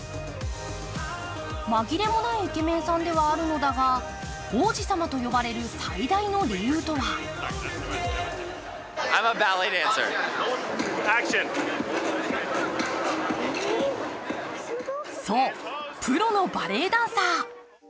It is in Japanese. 紛れもないイケメンさんではあるのだが王子様と呼ばれる最大の理由とはそう、プロのバレエダンサー。